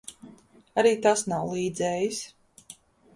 Arī tas nav līdzējis.